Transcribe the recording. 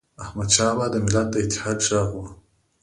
احمدشاه بابا د ملت د اتحاد ږغ و.